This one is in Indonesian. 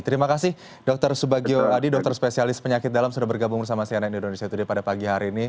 terima kasih dr subagio adi dokter spesialis penyakit dalam sudah bergabung bersama sianet indonesia today pada pagi hari ini